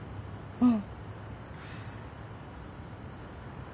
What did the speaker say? うん。